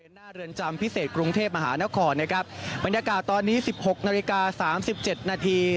หน้าเรือนจำพิเศษกรุงเทพมหานครนะครับบรรยากาศตอนนี้สิบหกนาฬิกาสามสิบเจ็ดนาที